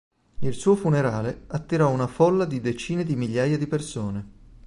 Il suo funerale attirò una folla di decine di migliaia di persone.